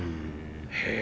へえ！